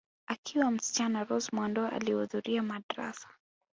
Akiwa msichana Rose Muhando alihudhuria madrasa